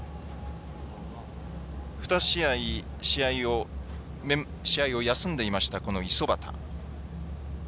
２試合試合を休んでいました、五十幡。